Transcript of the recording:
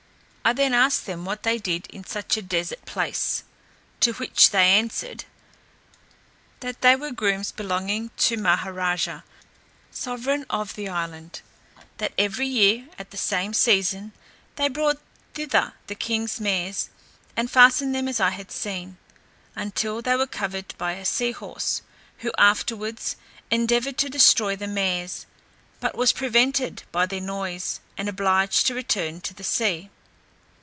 I then asked them what they did in such a desert place? to which they answered, that they were grooms belonging to Maha raja, sovereign of the island; that every year, at the same season, they brought thither the king's mares, and fastened them as I had seen, until they were covered by a sea horse, who afterwards endeavoured to destroy the mares; but was prevented by their noise, and obliged to return to the sea.